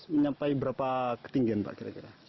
mencapai berapa ketinggian pak kira kira